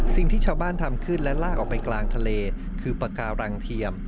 สิ่งที่ชาวบ้านทำขึ้นและลากออกไปกลางทะเลคือปากการังเทียม